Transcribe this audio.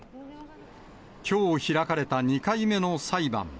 きょう開かれた２回目の裁判。